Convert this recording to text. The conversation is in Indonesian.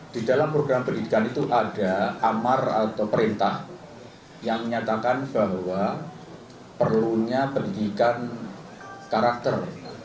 di dalam program pendidikan itu ada amar atau perintah yang menyatakan bahwa perlunya pendidikan karakter